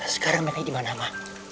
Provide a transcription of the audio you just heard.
sekarang meka dimana ma